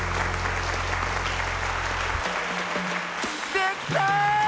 できた！